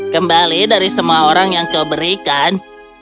kembali dari semua orang yang kau berikan